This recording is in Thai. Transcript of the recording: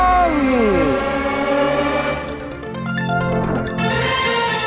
โปรดติดตามตอนต่อไป